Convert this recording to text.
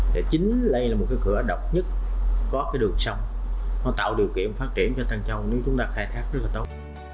thì chính đây là một cái cửa độc nhất có cái đường sông nó tạo điều kiện phát triển cho tân châu nếu chúng ta khai thác rất là tốt